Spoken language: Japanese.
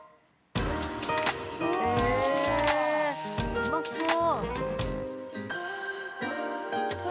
◆うまそう。